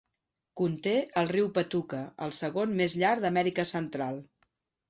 Conté el riu Patuca, el segon més llarg d'Amèrica Central.